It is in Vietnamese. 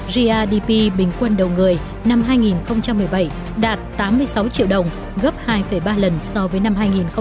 gadp bình quân đầu người năm hai nghìn một mươi bảy đạt tám mươi sáu triệu đồng gấp hai ba lần so với năm hai nghìn tám